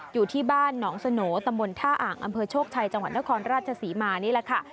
อยู่ที่บ้านหนองสโหนตำบลท่าอ่างอำเภอโชคชัยจังหวัดนครราชศรีมานี่แหละค่ะ